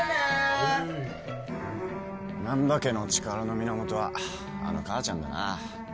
難破家の力の源はあの母ちゃんだな。